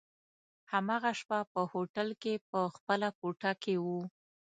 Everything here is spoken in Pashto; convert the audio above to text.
هماغه شپه په هوټل کي په خپله کوټه کي وو.